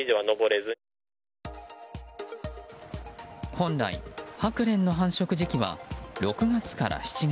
本来、ハクレンの繁殖時期は６月から７月。